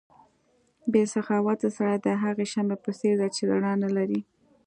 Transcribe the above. بې سخاوته سړی د هغې شمعې په څېر دی چې رڼا نه لري.